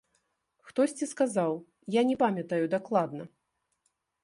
Хтосьці сказаў, я не памятаю дакладна.